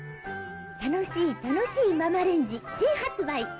「たのしいたのしいママレンジ新発売！」